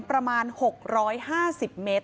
ประมาณ๖๕๐เมตร